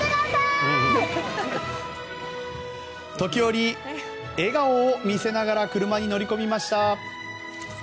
時折、笑顔を見せながら車に乗り込みました。